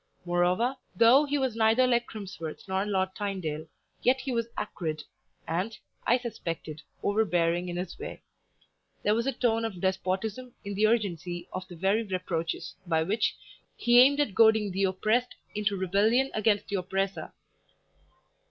Moreover, though he was neither like Crimsworth nor Lord Tynedale, yet he was acrid, and, I suspected, overbearing in his way: there was a tone of despotism in the urgency of the very reproaches by which he aimed at goading the oppressed into rebellion against the oppressor.